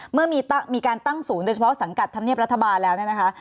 เมื่อมีการตั้งศูนย์โดยเฉพาะสังกัดธรรมเนียบรัฐบาลแล้วเนี่ยนะคะ